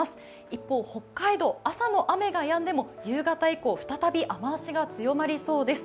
一方、北海道、朝の雨がやんでも夕方以降、再び、雨足が強まりそうです。